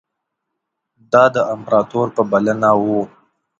دا د امپراطور په بلنه وو.